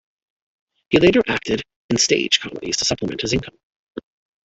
He later acted in stage comedies to supplement his income.